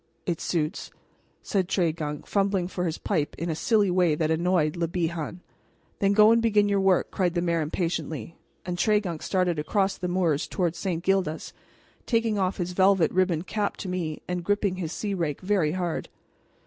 "It suits," said Tregunc, fumbling for his pipe in a silly way that annoyed Le Bihan. "Then go and begin your work," cried the mayor impatiently; and Tregunc started across the moors toward St. Gildas, taking off his velvet ribboned cap to me and gripping his sea rake very hard.